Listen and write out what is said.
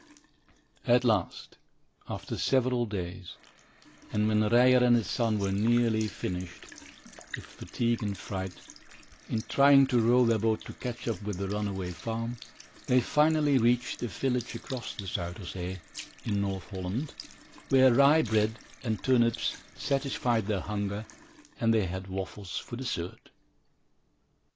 At last, after several days, and when Ryer and his son were nearly finished, with fatigue and fright, in trying to row their boat to catch up with the runaway farm, they finally reached a village across the Zuyder Zee, in North Holland, where rye bread and turnips satisfied their hunger and they had waffles for dessert.